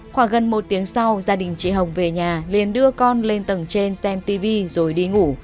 khoảng gần một tiếng sau gia đình chị hồng về nhà liền đưa con lên tầng trên xem tv rồi đi ngủ